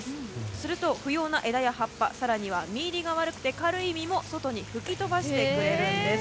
すると、不要な枝や葉っぱ更には実入りが悪くて軽い実も外に吹き飛ばしてくれるんです。